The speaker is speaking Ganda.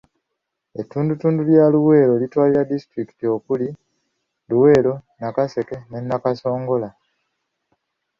Ettundutundu lya Luweero litwalira disitulikiti okuli; Luweero, Nakaseke ne Nakasongola.